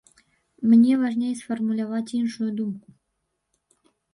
Мне важней сфармуляваць іншую думку.